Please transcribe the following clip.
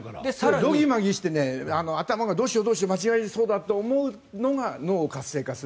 どぎまぎして頭がどうしよう間違えそうだと思うのが脳の活性化になる。